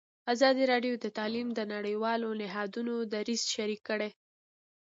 ازادي راډیو د تعلیم د نړیوالو نهادونو دریځ شریک کړی.